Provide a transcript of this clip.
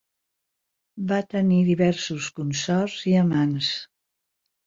Va tenir diversos consorts i amants.